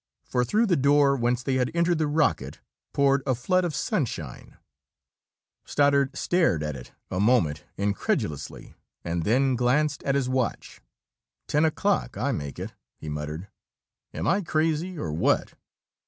For through the door whence they had entered the rocket poured a flood of sunshine. Stoddard stared at it a moment incredulously, and then glanced at his watch. "Ten o'clock, I make it!" he muttered. "Am I crazy, or what?"